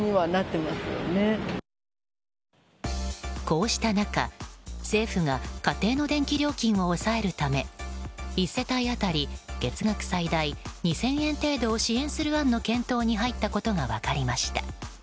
こうした中、政府が家庭の電気料金を抑えるため１世帯当たり月額最大２０００円程度を支援する案の検討に入ったことが分かりました。